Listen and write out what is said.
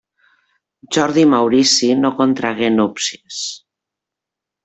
Jordi Maurici no contragué núpcies.